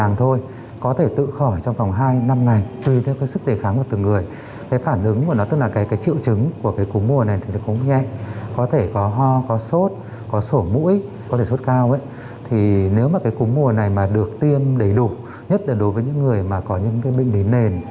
nếu mà cái cúng mùa này mà được tiêm đầy đủ nhất là đối với những người mà có những cái bệnh đầy nền